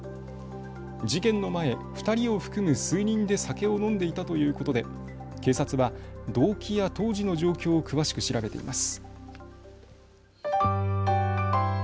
事件の前、２人を含む数人で酒を飲んでいたということで警察は動機や当時の状況を詳しく調べています。